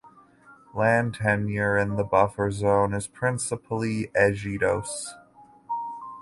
Land tenure in the buffer zone is principally ejidos.